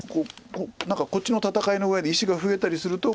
何かこっちの戦いの上に石が増えたりすると。